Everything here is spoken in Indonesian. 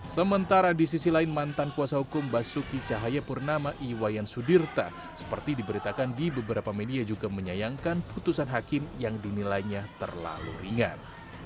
sementara di sisi lain mantan kuasa hukum basuki cahayapurnama iwayan sudirta seperti diberitakan di beberapa media juga menyayangkan putusan hakim yang dinilainya terlalu ringan